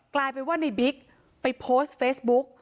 กลายเป็นว่าในบิ๊กไปโพสต์เฟซบุ๊ก